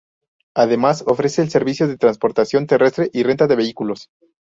Además ofrece el servicio de transportación terrestre y renta de vehículos.